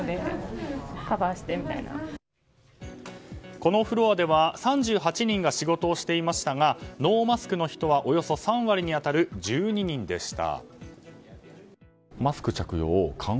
このフロアでは３８人が仕事をしていましたがノーマスクの人はおよそ３割に当たる１２人でした。